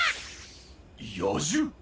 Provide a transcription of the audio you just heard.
・野獣！？